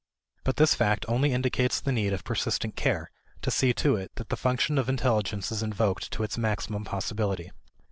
But this fact only indicates the need of persistent care to see to it that the function of intelligence is invoked to its maximum possibility.